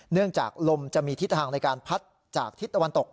เนื่องจากลมจะมีทิศทางในการพัดจากทิศตะวันตก